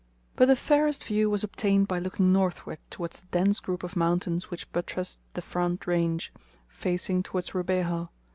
But the fairest view was obtained by looking northward towards the dense group of mountains which buttressed the front range, facing towards Rubeho.